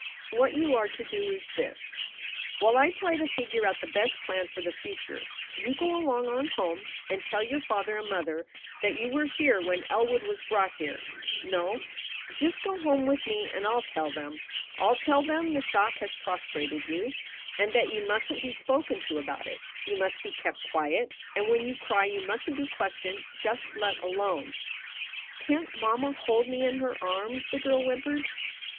"What you are to do is this: While I try to figure out the best plan for the future, you go along on home and tell your father and mother that you were here when Elwood was brought here. No, just go home with me and I ll tell them. I ll tell them the shock has prostrated you and that you mustn t be spoken to about it. You must be kept quiet, and when you cry you mustn t be questioned, just let alone." "Can t mamma hold me in her arms ?" the girl whimpered.